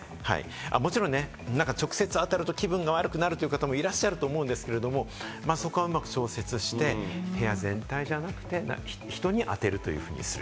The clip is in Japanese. もちろん直接当たると気分が悪くなるという方もいらっしゃると思うんですけど、まぁ、そこはうまく調節して、部屋全体じゃなくて、人に当てるというふうにする。